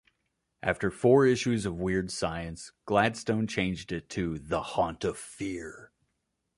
After four issues of "Weird Science", Gladstone changed it to "The Haunt of Fear".